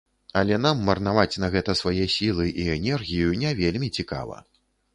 Але нам марнаваць на гэта свае сілы і энергію не вельмі цікава.